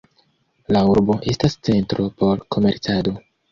La urbo estas centro por komercado.